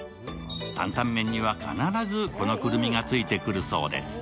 坦々麺には必ずこのくるみがついてくるそうです。